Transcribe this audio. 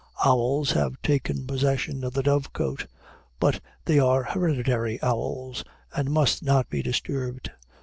Owls have taken possession of the dovecote; but they are hereditary owls, and must not be disturbed.